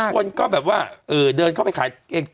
คนก็แบบว่าเดินเข้าไปขายเอง